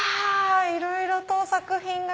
いろいろと作品が。